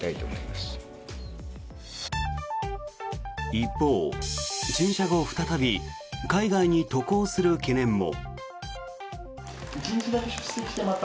一方、陳謝後再び海外に渡航する懸念も。